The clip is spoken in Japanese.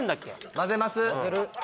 混ぜます